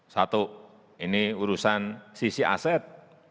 satu ini urusan sisi aset